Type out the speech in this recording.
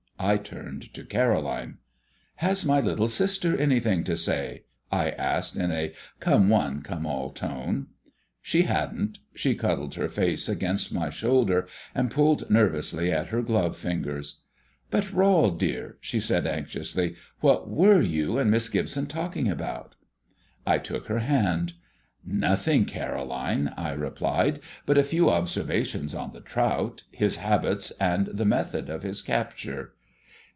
I turned to Caroline. "Has my little sister anything to say?" I asked, in a "come one come all" tone. She hadn't. She cuddled her face against my shoulder, and pulled nervously at her glove fingers. "But, Rol, dear," she said anxiously, "what were you and Miss Gibson talking about?" I took her hand. "Nothing, Caroline," I replied, "but a few observations on the trout, his habits, and the method of his capture."